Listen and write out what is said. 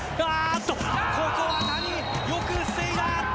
ここは谷、よく防いだ。